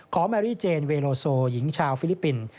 แมรี่เจนเวโลโซหญิงชาวฟิลิปปินส์